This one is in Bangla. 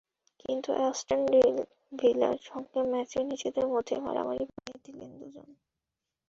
কিন্তু অ্যাস্টন ভিলার সঙ্গে ম্যাচে নিজেদের মধ্যেই মারামারি বাঁধিয়ে দিলেন দুজন।